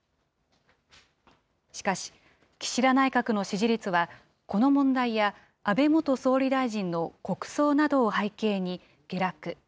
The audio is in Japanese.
しかし、岸田内閣の支持率はこの問題や安倍元総理大臣の国葬などを背景に下落。